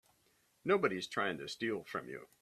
Nobody's trying to steal from you.